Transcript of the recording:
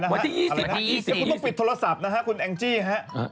วันที่๒๐แคคุณต้องปิดโทรศัพท์นะคุณแอนกจี่ฮะ